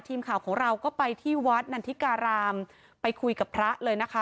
ทีมข่าวของเราก็ไปที่วัดนันทิการามไปคุยกับพระเลยนะคะ